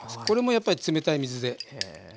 これもやっぱり冷たい水で。